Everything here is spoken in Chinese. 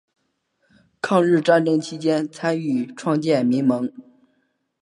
抗日战争期间参与创建民盟。